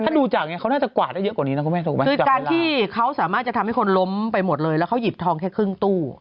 คือการที่เขาสามารถทำให้คนล้มไปหมดเลยแล้วเขาหยิบทองแค่ครึ่งตู้